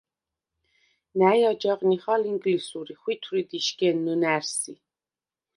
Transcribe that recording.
ნა̈ჲ აჯაღ ნიხალ ინგლისურ ი ხვითვრიდ იშგენ ნჷნა̈რსი.